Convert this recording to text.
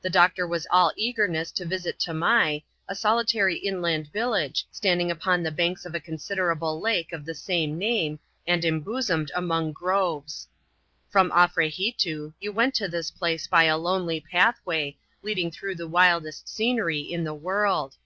The doctor was all eagerness to visit Tamai, a solitary inland village, standing upon the banks of a considerable lake of the same name, and embosomed among groves. From Afrehitoo 70U went to this place by a lonely pathway, leading through the wildest scenery in the world.